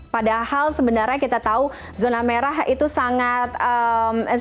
padahal sebenarnya kita tahu zona merah itu seharusnya